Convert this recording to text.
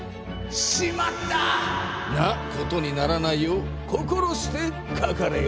「しまった！」なことにならないよう心してかかれよ。